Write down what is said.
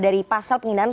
dari pasal pengginaan